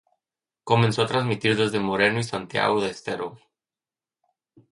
Comenzó a transmitir desde Moreno y Santiago del Estero.